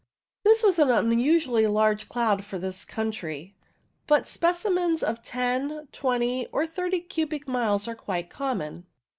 This was an unusually large cloud for this country, but specimens of 10, 20, or 30 cubic miles are quite common.